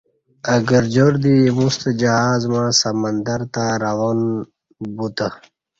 اہ گرجار دی ایمو ستہ جہاز مع سمندر تہ رواں بوتہ